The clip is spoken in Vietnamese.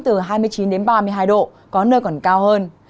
từ hai mươi chín đến ba mươi hai độ có nơi còn cao hơn